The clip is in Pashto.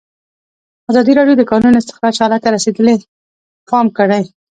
ازادي راډیو د د کانونو استخراج حالت ته رسېدلي پام کړی.